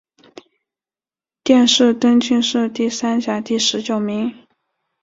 殿试登进士第三甲第十九名。